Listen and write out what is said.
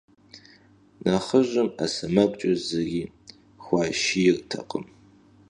Нэхъыжьым Ӏэ сэмэгукӀэ зыри хуашийртэкъым.